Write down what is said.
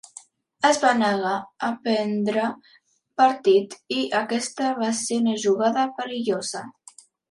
Es va negar a prendre partit i aquesta va ser una jugada perillosa.